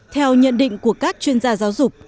theo nhận định của các chuyên gia giáo dục